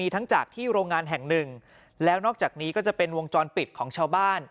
ทั้งจากที่โรงงานแห่งหนึ่งแล้วนอกจากนี้ก็จะเป็นวงจรปิดของชาวบ้าน